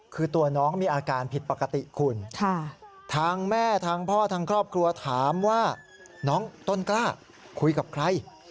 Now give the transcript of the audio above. คือตัวน้องมีอาการผิดปกติคุณทางแม่ทางพ่อทางครอบครัวถามว่าน้องต้นกล้าคุยกับใคร